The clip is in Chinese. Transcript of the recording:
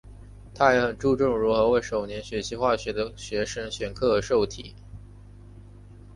他也很注重如何为首年学习化学的学生选题和授课。